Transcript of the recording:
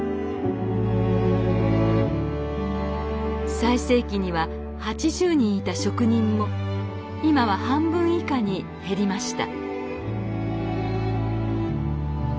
最盛期には８０人いた職人も今は半分以下に減りました。